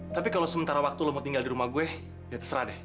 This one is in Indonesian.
tapi kalau sementara waktu lo mau tinggal di rumah gue ya terserah deh